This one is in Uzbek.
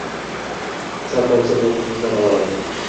Sal qolsa bo`g`zimizdan olardi